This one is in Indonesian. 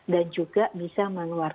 dan juga bisa mengeluarkan